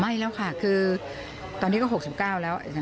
ไม่แล้วค่ะคือตอนนี้ก็๖๙แล้ว